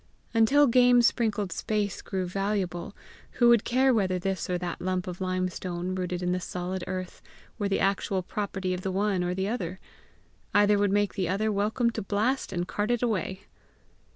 Until game sprinkled space grew valuable, who would care whether this or that lump of limestone, rooted in the solid earth, were the actual property of the one or the other! Either would make the other welcome to blast and cart it away!